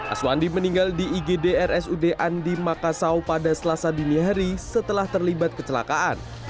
aswandi meninggal di igd rsud andi makasau pada selasa dini hari setelah terlibat kecelakaan